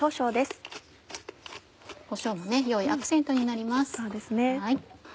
こしょうも良いアクセントになります。